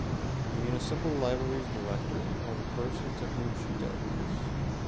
The Municipal Library’s Director, or the person to whom she delegates.